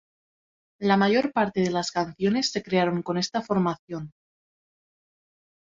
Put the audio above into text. La mayor parte de las canciones se crearon con esta formación.